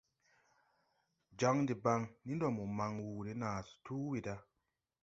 Jan debaŋ, ni ndo mo man wuu ne naa tu weeda.